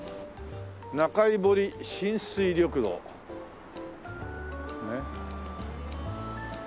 「仲井堀親水緑道」ねっ。